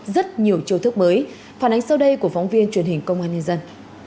rất nhiều chiêu thức mới phản ánh sau đây của phóng viên truyền hình công an nhân dân